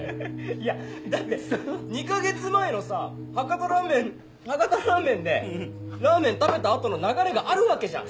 いやだって２か月前のさ博多ラーメンでラーメン食べた後の流れがあるわけじゃん。